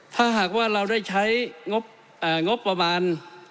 ถ้าหากว่าเราได้ใช้งบประมาณ